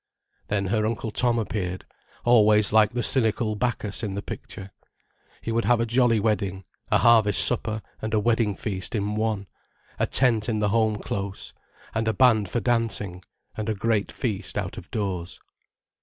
Then her Uncle Tom appeared, always like the cynical Bacchus in the picture. He would have a jolly wedding, a harvest supper and a wedding feast in one: a tent in the home close, and a band for dancing, and a great feast out of doors.